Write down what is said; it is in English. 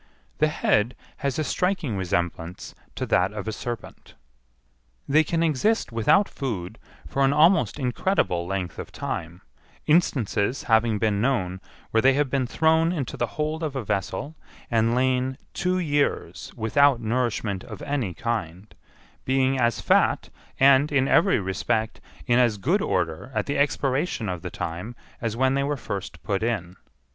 The head has a striking resemblance to that of a serpent. They can exist without food for an almost incredible length of time, instances having been known where they have been thrown into the hold of a vessel and lain two years without nourishment of any kind—being as fat, and, in every respect, in as good order at the expiration of the time as when they were first put in.